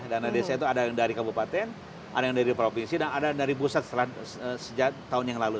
dana desa itu ada yang dari kabupaten ada yang dari provinsi dan ada yang dari pusat sejak tahun yang lalu